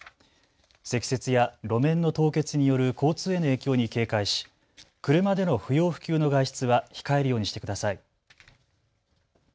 積雪や路面の凍結による交通への影響に警戒し、車での不要不急の外出は控えるようにしてください。